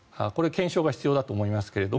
これは検証が必要だと思いますが。